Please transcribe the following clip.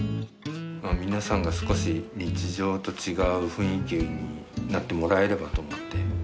皆さんが少し日常と違う雰囲気になってもらえればと思って。